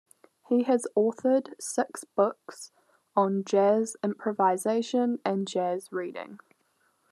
He has authored six books on jazz improvisation and jazz reading.